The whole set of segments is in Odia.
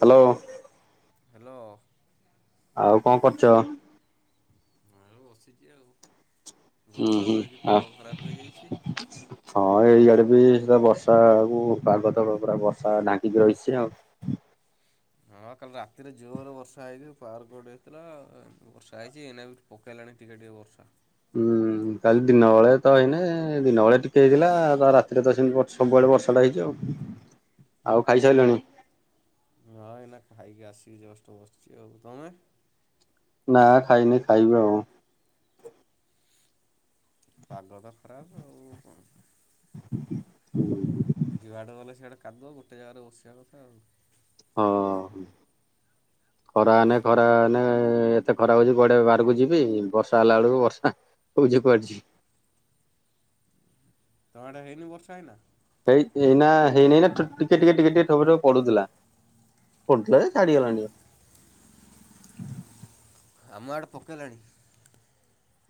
ହାଲୋ। ହାଲୋ। ଆଉ କଣ କରୁଚ? ବସିଚି ଆଉ। ହୁଁ ବର୍ଷା ତ ହୁଁ ହେଇକି ଆ ପାଗ ଖରାପ ହେଇଯାଇଛି। ହଁ ଏଇଆଡେ। ଏଇ ବା ବର୍ଷା ଆକୁ ପାଗତ ପୁରା ବର୍ଷା ଢାଙ୍କିକି ରହିଛି ଆଉ। ହଁ। କାଲି ରାତିରେ ଜୋରରେ ବର୍ଷା ହେଇଚି ପାୱାର୍ କଟ୍ ହେଇଥିଲା। ବର୍ଷା ହେଇଚି ଏଇନା ବି ପକେଇଲାଣି ଟିକେ ଟିକେ ବର୍ଷା। ହୁଁ। ହୁଁ କାଲି ଦିନବେଳେ ତ ହେଇନେ ଦିନବେଳେ ଟିକେ ହେଇଥିଲା ତା ରାତିରେ ତ ସେମିତି ସବୁବେଳେ ବର୍ଷାଟା ହେଇଚି ଆଉ। ହ। ଆଉ ଖାଇସାଇଲାଣି। ହଁ ଏଇନା ଖାଇକି ଆସି ଜଷ୍ଟ ବସିଛି ଆଉ ତମେ ନା ଖାଇନି ଖାଇବି ଆଉ। ପାଗ ତ ଖରାପ ଆଉ ହଁ। ଯୁଆଡେ ଗଲେ ସେଆଡେ କାଦୁଅ ଗୋଟେ ଜାଗାରେ ବସିବା କଥା ଆଉ। ହଁ। ହ। ଖରା ଆନେ ଖରା ଆନେ ଏତେ ଖରା ହଉଚି କୁଆଡେ ବାହାରକୁ ଯିବି ବର୍ଷା ହେଲା ବେଳକୁ ବର୍ଷା। ବୁଝି ପାରୁଛି। ତମ ଆଡେ ହେଇନି ବର୍ଷା ଏଇନା? ଠିକ୍ ଏଇନା ହେଇନାଇ ଟିକେ ଟିକେ ଟିକେ ଟିକେ ଠୋପେ ଠୋପେ ପଡୁଥିଲା। ପଡୁଥିଲା ଯେ ଛାଡି ଗଲାଣି। ଆମ ଆଡେ ପକେଇଲାଣି।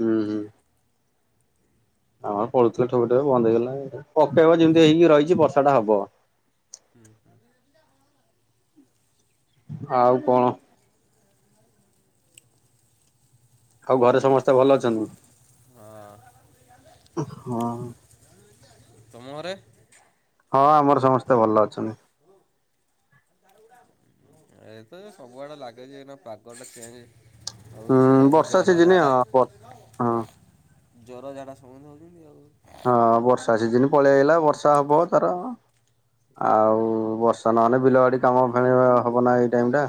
ହୁଁ ହୁଁ। ପଡୁଥିଲେ ଠୋପେ ଠୋପେ ବନ୍ଦ୍ ହେଇଗଲା ପକେଇବ ଯେମିତି ହେଇକି ରହିଛି ବର୍ଷା ଟା ହବ। [inaudible] ଆଉ କଣ? ଆଉ ଘରେ ସମସ୍ତେ ଭଲ ଅଛନ୍ତି? ହଁ ହଁ। ତମ ଘରେ? ହଁ ଆମର ସମସ୍ତେ ଭଲ ଅଛନ୍ତି। ଏତ ସବୁଆଡେ ଲାଗେଛି ପାଗ ଟା ଚେଞ୍ଜ। ହଉଛି ଉଁ ସବୁ ବର୍ଷା ଜର ସିଜିନି ଝାଡା ହଁ। ହଁ ଜର ଝାଡା ସବୁ। ଆଉ। ହଁ ବର୍ଷା ସିଜିନ ପଳେଇ ଆଇଲା ବର୍ଷା ହବ ତାର। ଆଉ ବର୍ଷା ନହେଲେ ବିଲବାଡି କାମ ମାନେ ହବ ନା ଏଇ ଟାଇମ୍ ଟା।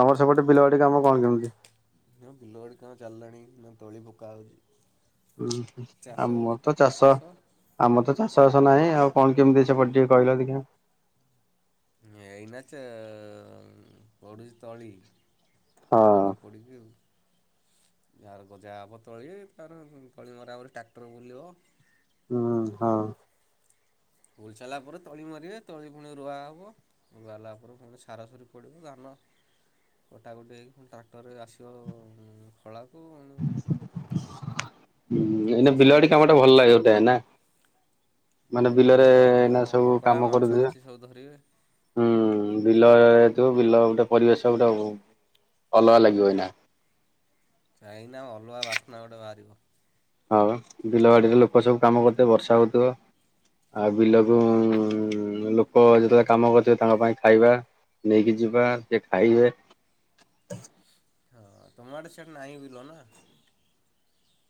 ତମ ସେପଟେ ବିଲ ବାଡି କାମ କଣ କେମିତି? ହଁ ବିଲ ବାଡ଼ି କାମ ଚାଲିଲାଣି ନା ତଳି ପକା ହଉଛି। ହୁଁ ଆମର ତ ଚାଷ ଆମର ତ ଚାଷ ନାହିଁ ଆଉ କଣ କେମିତି ସେପଟେ ଟିକେ କହିଲ ଦେଖିବା? ଏଇନା ଚ-ପଡୁଛି ତଳି। ହଁ ତଳି ପଡିକି ଯାହାର ଗଜା ହବ ତଳି ରେ ତାର ତଳି ମରା ପରେ ଟ୍ରାକ୍ଟର ବୁଲିବ। ହୁଁ ହଁ। ଉୁଲଚିଲଲା ପରେ ତଳି ମାରିବେ ତଳି ପୁଣି ରୁଆ ହବ ରୁଆ ହେଲା ପରେ ପୁଣି ସାର ସୁରି ପଡିବ ଧାନ। କଟାକଟି ହେଇ ଫୁଣି ଟ୍ରାକ୍ଟରରେ ଆସିବ ଖଳାକୁ। [unintelligible] ହୁଁ ଏଇ ଚାଷ ବିଲା ବାଡି ହେଇ କାମ ଟା ଭଲ ଚଷା ଲାଗେ ଗୋଟେ ନା। ମାନେ ହୁଁ ବିଲରେ ବିଲବାଡ଼ି ଏନା କାମ ସବୁ କଙ୍କଡ଼ା କାମ ମାଛ କରୁଦେ। ମଛି ସବୁ ଧରିବେ ହୁଁ ବିଲ ବିଲ ଗୋଟେ ପରିବେଶ ଗୋଟେ ଅଲଗା ଲାଗିବ ଏନା। ଯାଇନା ଅଲଗା ବାସ୍ନା ଗୋଟେ ବାହାରିବ। ହଉ ବିଲବାଡିରେ ଲୋକ ସବୁ କାମ କରୁଥିବ ବର୍ଷା ହଉଥିବ। ଆଉ ବିଲକୁ- ଲୋକ ଯେତେବେଳେ କାମ କରୁଥିବେ ତାଙ୍କ ପାଇଁ ଖାଇବା। ନେଇକି ଯିବା ସେ ଖାଇବେ। ହଁ ତମ ଆଡେ ସେଠି ନାହିଁ ବିଲ ନା?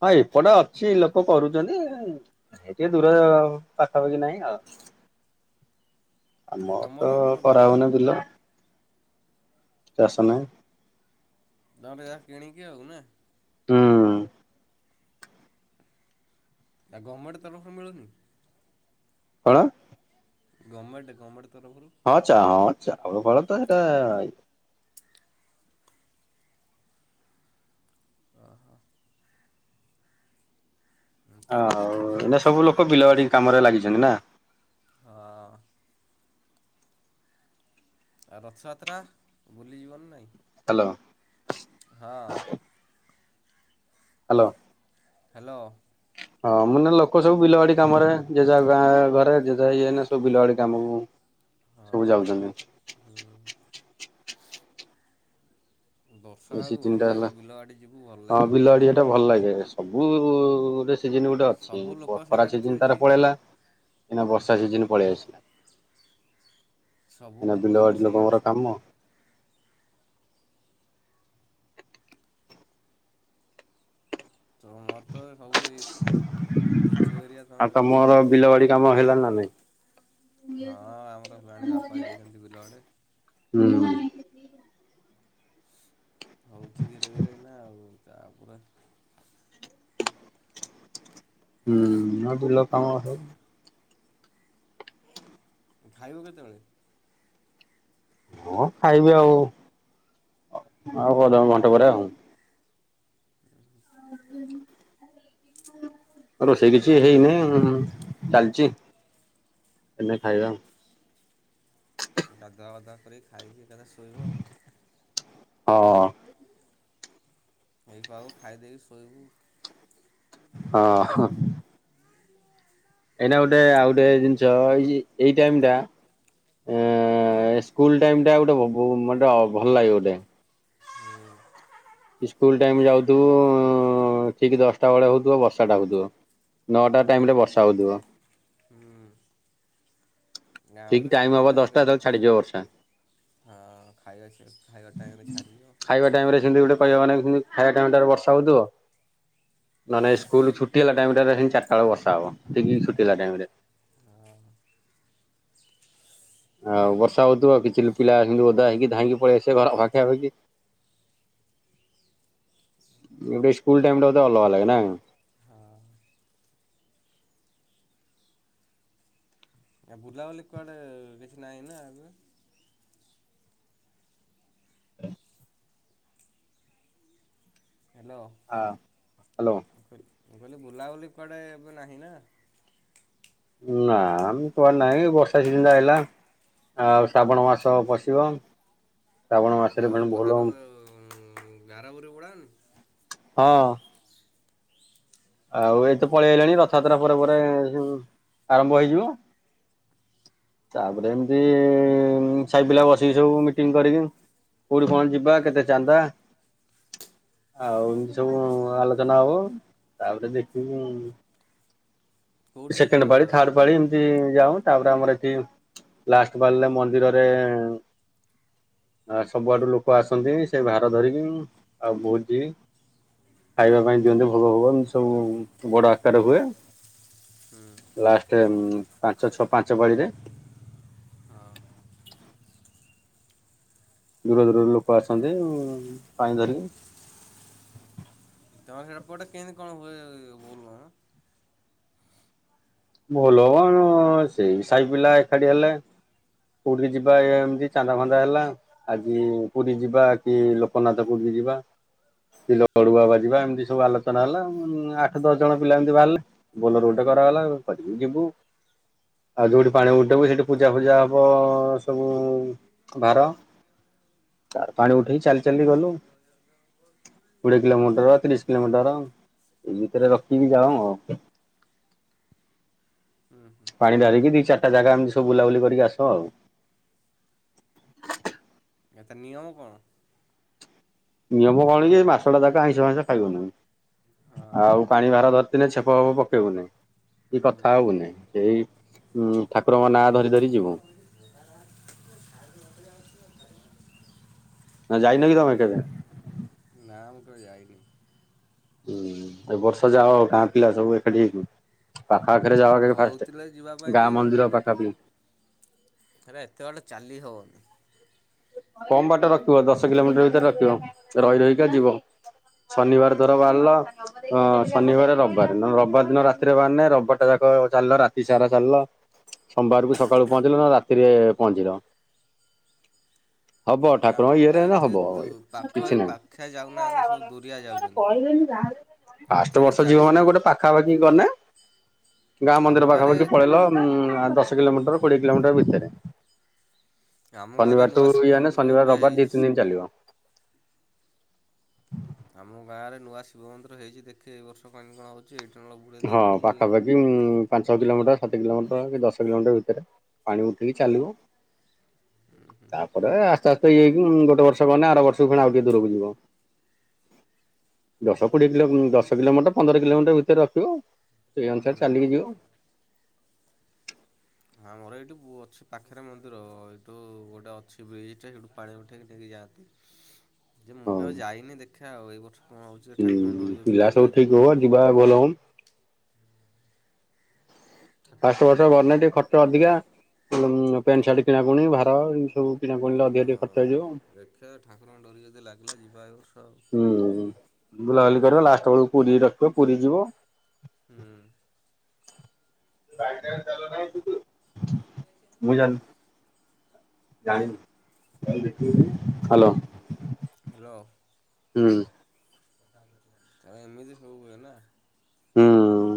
ହଁ ଏପଟେ ଅଛି ଲୋକ କରୁଛନ୍ତି ସେ ଟେ ଦୂର ପାଖାପାଖି ନାହିଁ ଆଉ। [unintelligible] ଆମ ତମର ତ କରୁନ ନା କରାହଉନି ବିଲ। ଚାଷ ନାହିଁ। ଦ ଯା କିଣି କି ଆଉ ନା? ହୁଁ। ଆ ଗମେଣ୍ଟ ତରଫରୁ ମିଳୁନି? କଣ? ଗମେଣ୍ଟ ଗମେଣ୍ଟ। ହଁଚା ହଁଚା ଆ ଫ ତ ଏଇଟା [unintelligible] ତ ଏଇନା ଦୁଇ ତିନି ଦିନ ହଉ ଏ ବର୍ଷା ସବୁ ଲୋକ ଲଗାତାର ବିଲ ବାଡି ଅଛି କାମରେ ଲାଗିଛନ୍ତି ନା? ହଁ ଆଉ ରଥଯାତ୍ରା ବୁଲିଯିବନି ନାଇଁ। ହାଲୋ। ହଁ। ହାଲୋ। ହାଲୋ। ହଁ ମାନେ ଲୋକ ସବୁ ବିଲବାଡି କାମ ରେ ଯେ ଯା ଗାଁ ଘରେ ଯେ ଯାହା ଇଏ ସବୁ ବିଲବାଡି କାମକୁ ହଁ ସବୁ ଯାଉଛନ୍ତି। ହୁଁ ବର୍ଷା ଏ ହେଉ ସିଜିନ ଭଲ ଟା ହେଲା ଲାଗିବ ବିଲ ବାଡ଼ି ଯିବୁ ଭଲ ହଁ ଲାଗିବ ବିଲବାଡି ଏଟା ସିଆଡ଼େ। ଭଲ ଲାଗେ ସବୁ ରେ ସିଜିନି ଗୋଟେ ସବୁ ଲୋକ ଅଛି ଖରା ସେଇଆଡ଼େ ଥିବେ ସିଜିନ ତାର ଯାଇକି ନା ପଳେଲା। ଏଇନା ବର୍ଷା ସିଜିନି ପଳେଇ ଆାସିଲା। ସବୁ ଏଇନା ଲୋକ ବିଲ ବାଡି ଲୋକ ସେଇଆଡ଼େ ଙ୍କର ସବୁ କାମ ତମର ତ ସବୁ ଏଇ ପିଚୁ ଏରିଆ ଆଉ ତମର କିଛି ଇଏ ନୁହଁ। ବିଲବାଡି କାମ ହେଲାଣି ନା ନାଇଁ। ହଁ ଆମର ହେଲାଣି ବାପା ଯାଇଛନ୍ତି ବିଲଆଡେ। ହୁଁ ହଉଚି ଧୀରେ ଧୀରେ ଏଇନା ଆଉ ତା ପରେ ହୁଁ ମା ବିଲ କାମ ହଉ ଖାଇବ କେତେ ବେଳେ? ହଁ ଖାଇବି ଆଉ ଆଉ ଅଧ ଘଣ୍ଟା ଘଣ୍ଟାପରେ ଆଉ [unintelligible] ରୋଷେଇ କିଛି ହେଇନେଇଁ ଉଁ ଚାଲଚି ଏନେ ଖାଇବା। ଗାଧୁଆ ପାଧୁଆ ଖାଇକି ଏକାଥରେ ଶୋଇବ ଆଉ ହଁ। ହେଏଇପା ଆଉ ଖାଇଦେଇ କି ଶୋଇବୁ। ହ ହଁ। ଏଇନା ଗୋଟେ ଆଉ ଗୋଟେ ଜିନଷ ଏଇଚି ଏଇ ଟାଇମ୍ ଟା ଏ-ଏସ୍କୁଲ ଟାଇମି ଟା ଗୋଟେ ବୋ ମୋଟ ଭଲ୍ ଲାଗେ ମତେ। ଇସ୍କୁଲ ଟାଇମ୍ ଯାଉଥିବୁ ଉଁ ଠିକ୍ ଦଶଟା ବେଳେ ହଉଥିବ ବର୍ଷାଟା ହୋଉଥୁବ ହଁ ନଅଟା ଟାଇମ୍ ରେ ବର୍ଷା ହୋଉଥୁବ। ହୁଁ। ଆମର ଠିକ୍ ତ ଟାଇମ ସ୍କୁଲ ହବ ଟାଇମରେ ଦଶଟା ହେତ ବେଳେ ଛାଡିଯିବ ବର୍ଷା। ହଁ ଖାଇବା ଛା ଖାଇବା ଟାଇମରେ ଛାଡି ଯିବ। ଖାଇବା ଟାଇମ ରେ ସେମିତି ଗୋଟେ କହିବା ମାନେ ଖାଇବା ଟାଇମ୍ ଟାରେ ବର୍ଷା ହୋଉଥିବ। ନହନେ ସ୍କୁଲ ଛୁଟି ହେଲା ଟାଇମ ଟାରେ ହିଁ ଚାର୍ଟାଆଳକୁ ବର୍ଷା ହବ। ଠିକି ଛୁଟି ହେଲା ଟାଇମି ରେ ଆଉ ବର୍ଷା ହଉଥିୁବ କିଛି ପିଲା ଆସି କି ଓଦା ହେଇକି ଧାଇଁକି ପଳି ଆସିବେ ଘର ପାଖିଆ ପାଖି। ଏବେ ସ୍କୁଲ୍ ଟାଇମି ଟା ବୋଧେ ଅଲଗା ଲାଗେ ନା? ହଁ ଆଉ ବୁଲା ବୁଲି କୁଆଡେ କିଛି ନାଇ ନା। ହ [inaudible] ହ୍ୟାଲୋ ହ୍ୟାଲୋ ଖୋ ମୁଁ କଲି ବୁଲାବୁଲି କୁଆଡ଼େ ଏବେ ନାହିଁ ନା ନା ବେ ଏ କୁଆ ନାହିଁ ବର୍ଷା ସିଯିନି ଟା ଆଇଲା। ଆଉ ଶାବଣ ମାସ ପଶିବ ଶାବଣ ମାସରେ ଭୋଲବମ ଗାରାବରି ପଡ଼ାଅନି? ହଁ। ଆଉ ଏତେ ପଳେଇ ଆଇଲାଣି ରଥଯାତ୍ରା ପରେ ପରେ ଯୋ ଆରମ୍ଭ ହେଇଯିବ। ତାପରେ ଏମତି ସାଇ ପିଲା ବସିକି ସବୁ ମିଟିଂ କରିକି କୋଉଠି କଣ ଯିିବା କେତେ ଚାନ୍ଦା ଆଉ ଏମିତି ସବୁ ଆଲୋଚନା ହବ ତାପରେ ଦେଖିବୁ କୋଉଠିକି ଯାଅ ସେକେଣ୍ଡେ ପାଳି ଥାଡେ ପାଳି ଏମତି ଯାଉଁ ତାପରେ ଆମର ଏଠି ଲାଷ୍ଟ ପାଳଲେ ମନ୍ଦିରରେ ଆ ସବୁଆଡୁ ଲୋକ ଆସନ୍ତି ସେ ଭାର ଧରିକିଁ ଆଉ ଭୋଉତିଇଏ ଖାଇବା ପାଇଁ ଦିଅନ୍ତିୁ ଭୋଗ ଫୋଗ ଏମିତି ସବୁ ବଡ ଆକାରେ ହୁଏ। ହୁଁ ଲାଷ୍ଟେ ଉଁ ପାଞ୍ଚ ଛଅ ପାଞ୍ଚ ପାଳି ରେ ହଁ। ଦୂର ଦୂରରୁ ଲୋକ ଆସନ୍ତି ପାଣି ଧରିିକି। ତମ ସେପଟେ କେନ୍ତି କଣ ହୁଏ ବୋଲବମ୍? ଭଲ କଣ ସେଇ ସାଇ ପିଲା ଏକାଠି ହେଲେ କୋଉଠିକି ଯିବା ଏମତି ଚାନ୍ଦା ଫନ୍ଦା ହେଲା, ଆଜି ପୁରୀ ଯିବା କି ଲୋକନାଥକୁ ଯି ଯିବା କି ଲଡ଼ୁବାବା ଯିବା ଏମତି ସବୁ ଆଲୋଚନା ହେଲା। ଉମ୍ ଆଠ ଦଶ ଜଣ ପିଲା ଏମତି ବାହାରିଲେ ବୋଲର ଗୋଟେ କ କରାଗଲା [unintelligible] ଯିବୁ ଆଉ ଯୋଉଠି ପାଣି ଉଠେଇବୁ ସେଇଠି ପୂଜା ଫୂଜା ହବ ଅ ସବୁ ଭାର ହଁ ତାର ପାଣି ଉଠେଇ ଚାଲି ଚାଲି ଗଲୁ କୋଡିଏ କିଲୋମିଟର, ତିରିଶ କିଲୋମିଟର, ଏଇ ଭିତରେ ରଖିକି ଯାଉଁ ଆଉ। ହୁଁ ହୁଁ ପାଣି ଢାଳିକିରି ଦି ଚାରିଟା ଜାଗା ଏମତି ସବୁ ବୁଲାବୁଲି କରିକି ଆସଉ ଆଉ। ଏତେ ନିୟମ କଣ? ନିୟମ କଣ କି, ଏଇ ମାସଟା ଯାକ ଆଇଁଷ ଫାଇଁସ ଖାଇବନି। ହଁ ଆଉ ପାଣି ଭାର ଧରି ଦିନେ ଛେପ ଫେପ ପକେଇବୁନି, ହୁଁ କି କଥା ହବୁନି, ଏଇ ହୁଁ ଠାକୁରଙ୍କ ନାଁ ଧରି ଧରି ଯିବୁ। ହଁ ଯାଇନ କିି ତମେ କେବେ? ନା ମୁଁ କେବେ ଯାଇନି। ହୁଁ ଏ ବର୍ଷ ଯାଅ ଗାଁ ପିଲା ସବୁ ଏକାଠି ହେଇକି। ପାଖାଆଖରେ ଏ ଯାଅ ଆଗେ ଫାଷ୍ଟେ। କହୁଥିଲେ ଗାଁ ମନ୍ଦିର ପାଖାପାଖି ଆରେ ଏତେବାଟ ଚାଲି ହଉନି। କମ ବାଟ ରଖିବ, ଦଶ କିଲୋମିଟର ଭିତରେ ରଖିବ, ରହି ରହିକା ଯିବ। ଶନିବାର ଧର ବାହାରିଲ, ଶନିବାର ରବିବାର, ନହେଲେ ରବିବାର ଦିନ ରାତିରେ ବାହାରିନେ ରବିବାରଟା ଯାକ ଚାଲିଲ, ରାତି ସାରା ଚାଲିଲ, ସୋମବାରକୁ ସକାଳୁ ପହଞ୍ଚିଲ ନହେଲେ ରାତିରେ ପହଞ୍ଚିଲ। ହବ ଦେଖିଆ ଠାକୁରଙ୍କ ଆମର ବା ଇଏରେ ଏଇନା ଏଠି ହବ। ଦୂ ପାଖ କିଛି ନାହିଁ ପାଖିଆ ଯାଉନାହାଁନ୍ତି ସବୁ ଦୂରିଆ ଯାଉଛନ୍ତି। ଆଉ ଫାଷ୍ଟ ତିରିଶ ବର୍ଷ ଯିବ ଚାଳିଶ ମାନେ ଗୋଟେ କିଲୋମିଟର ପାଖାପାଖି ଗନେ ଗାଁ ଆମ ମନ୍ଦିର ଗାଁରେ ପାଖାପାଖି ପଳେଇଲ, ଦଶ କିଲୋମିଟର, କୋଡିଏ କିଲୋମିଟର, ଭିତରେ। ଆମ ଗାଁରେ ନୂଆ ଶିବ ଭୋଇ ଜାଣିନେ ମନ୍ଦିର ଶନିବାର ଏବେ ରବିବାର ଦି ହେଇଛି। ତିନି ଦିନ ଚାଲିବ। ଆମ ଗାଁରେ ନୂଆ ଶିବ ମନ୍ଦିର ହେଇଛି ଦେଖେ ଏଇ ବର୍ଷ ପାଣି ଢଳା ହଉଛି। ହଁ ପାଖାପାଖି ଉଁ ପାଞ୍ଚ ଛ କିଲୋମିଟର, ସାତ କିଲୋମିଟର, କି ଦଶ କିଲୋମିଟର ଭିତରେ। ପାଣି ଉଠେଇକି ଚାଲିବ ତାପରେ ଆ ଆସ୍ତେ ଆସ୍ତେ ଇଏ ହେଇକି ଗୋଟେ ବର୍ଷ ଗନେ ଆର ବର୍ଷକୁ ପୁଣି ଆଉ ଟିକେ ଦୂରକୁ ଯିବ। ଦଶ କୋଡିଏ କିଲୋ ଦଶ କିଲୋମିଟର ପନ୍ଦର କିଲୋମିଟର ଭିତରେ ରଖ୍ ଖିବ, ସେଇ ଅନୁସାରେ ହୁଁ। ଚାଲିକି ଯିବ। ଆମର ଏଇଠି ବୁ ଅଛି ପାଖରେ ମନ୍ଦିର, ଏଇଠୁ ଗୋଟେ ଅଛି ବ୍ରିଜଟେ ସେଇଠୁ ପାଣି ଉଠେଇକି ନେଇକି ଯାଆନ୍ତି। ଯେ ମୁଁ ହଁ। କେବେ ଯାଇନି ଦେଖିଆ ଆଉ ଏଇ ବର୍ଷ କଣ ହଉଛି ଠାକୁରଙ୍କ ହୁଁ ଡୋରି ଯଦି ପିଲା ଲାଗିଲା ସବୁ ଠିକ ଆଉ। ହୁଅ ଯିବା ବୋଲବମ। ଫାଷ୍ଟ ବର୍ଷ ଗଲେ ଟିକେ ଖର୍ଚ୍ଚ ଅଧିକା, ଉମ୍ ପ୍ୟାଣ୍ଟ ସାର୍ଟ କିଣାକୁଣି, ଭାର, ଏଇ ସବୁ ବୁଲିଲେ ଅଧିକ ଟିକେ ଖର୍ଚ୍ଚ ହଁ ହେଇଯିବ ଦେଖିବା ଠାକୁରଙ୍କ ଡୋରି ଯଦି ଲାଗିଲା ଯିବା ଏ ବର୍ଷ ଆଉ। ହୁଁ ବୁଲାବୁଲି କରିବା ଲାଷ୍ଟ ବେଳକୁ ପୁରୀ ର ପୁରୀ ଯିବ ହୁଁ। ମୁଁ ଜାଣିନି ଜାଣିନି ଯାଉନୁ ଦେଖିବୁ। ହ୍ୟାଲୋ ହୁଁ। ତ ଏମିତି ସବୁ ହୁଏ ନା? ହୁଁ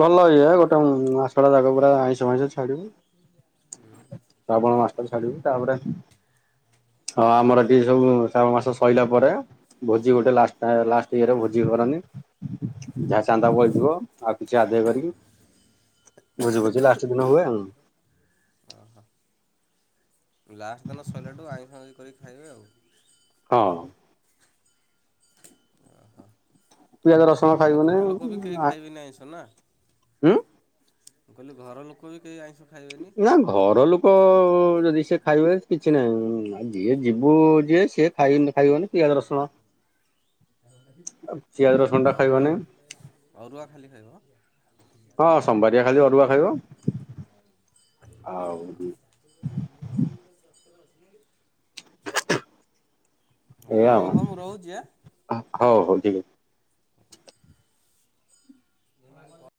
ଭଲ ଏୟା ଗୋଟେ ମାସଟା ଜାକ ପୁରା ଆଇଁଷ ଫାଇଁଷ ଛାଡ଼ିବୁ। ହୁଁ ଶ୍ରାବଣ ମାସଟାରେ ଛାଡ଼ିବୁ ତାପରେ ହଁ ଆମର ଏଠି ସବୁ ଶ୍ରାବଣ ମାସ ସଇଲା ପରେ ଭୋଜି ଗୋଟେ ଲାଷ୍ଟ୍ ତା ଲାଷ୍ଟ୍ ଇଏରେ ଭୋଜି କର ନି ଯାହା ଚାନ୍ଦା ଓହୋ ବଳିଥିବ ଆଉ କିଛି ଆଦାୟ କରିକି ଭୋଜି ବୋଜି ଲାଷ୍ଟ ଦିନ ହୁଏ ଆଉ। ଲାଷ୍ଟ୍ ଦିନ ସଇଲାଠୁ ଆଇଁଷ ଆଗି କରିକି ଖାଇବେ ଆଉ। ହଁ। ଅହ। ପିଆଜ ରସୁଣ ଖାଇବୁନି ଉଁ ଆ ଖାଇବେନି ଆଇଁଷ ନା ହୁଁ? ମୁଁ କହିଲି ଘର ଲୋକ ବି କେହି ଆଇଁଷ ଖାଇବେନି। ନାଁ ଘର ଲୋକ ଯଦି ସିଏ ଖାଇବେ କିଛି ନାହିଁ। ହୁଁ ଆଉ ଯିଏ ଯିବୁ ଯିଏ ସିଏ ଖାଇନି ଖାଇବନି ପିଆଜ ରସୁଣ ପିଆଜ ଖାଲ୍ ରସୁଣଟା ଅରୁଆ ଖାଇବନି ଆଉ ଅରୁଆ ଖାଲି ଖାଇବ। ହଁ ସୋମବାରିଆ ଖାଲି ଅରୁଆ ଖାଇବ। ଆଉ ଏଇଆ ହଉ ହଉ ମୁଁ ରହୁଚି ଆ। ଆଉ ହଉ ହଉ ଠିକ୍ ଅ ମୋଆ କ